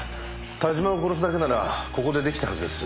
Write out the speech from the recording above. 田島を殺すだけならここで出来たはずです。